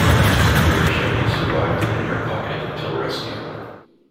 Varischetti survived in an air pocket until rescued.